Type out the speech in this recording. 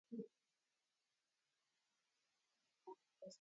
Imebeba ujasiri